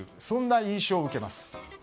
そんな印象を受けます。